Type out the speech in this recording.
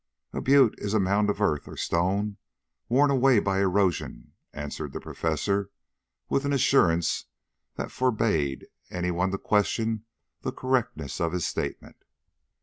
"A butte is a mound of earth or stone worn away by erosion," answered the Professor, with an assurance that forbade any one to question the correctness of his statement.